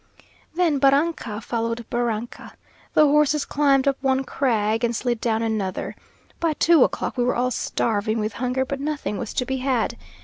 Then barranca followed barranca. The horses climbed up one crag, and slid down another. By two o'clock we were all starving with hunger, but nothing was to be had.